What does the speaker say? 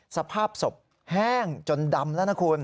สภาพศพแห้งจนดำแล้วนะคุณ